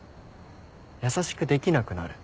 優しくできなくなる。